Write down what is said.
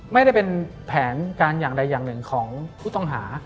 ไม่ได้เป็นแผนการอย่างใดอย่างหนึ่งของผู้ต้องหา